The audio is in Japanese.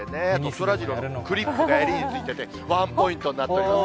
そらジローもクリップが襟についてて、ワンポイントになっています。